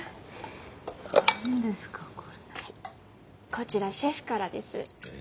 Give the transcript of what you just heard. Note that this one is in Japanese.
こちらシェフからです。